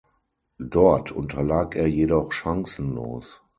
Dort unterlag er jedoch chancenlos.